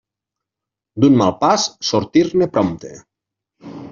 D'un mal pas, sortir-ne prompte.